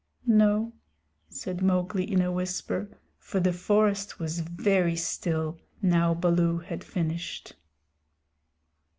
"No," said Mowgli in a whisper, for the forest was very still now Baloo had finished.